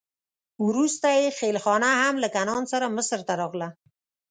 وروسته یې خېلخانه هم له کنعان څخه مصر ته راغله.